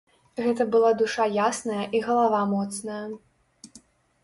Гэта была душа ясная і галава моцная.